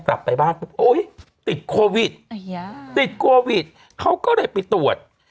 กลับไปบ้านปุ๊บโอ๊ยติดโควิดติดโควิดเขาก็เลยไปตรวจ